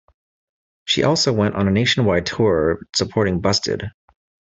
She also went on a nationwide tour supporting Busted.